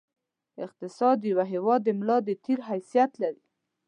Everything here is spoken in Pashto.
اقتصاد د یوه هېواد د ملا د تېر حیثیت لري.